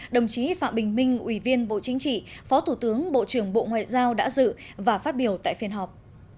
đồng chí phạm bình minh ủy viên bộ chính trị phó thủ tướng bộ trưởng bộ ngoại giao đã dự và phát biểu tại phiên họp